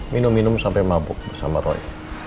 minum minum sampai mabuk bersama roy